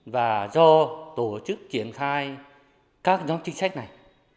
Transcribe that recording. và do tổ chức triển khai các nhóm chính sách này